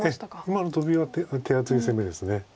今のトビは手厚い攻めです。